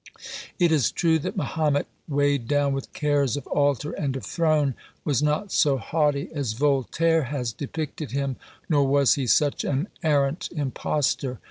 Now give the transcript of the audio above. It is true that Mahomet, " weigh'd down with cares of altar and of throne," was not so haughty as Voltaire has depicted him, nor was he such an arrant impostor.